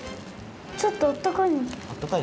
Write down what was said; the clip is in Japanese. ちょっとあったかい。